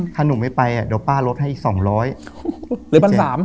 ถ้าหนูไม่ไปเดี๋ยวป้ารบให้อีก๒๐๐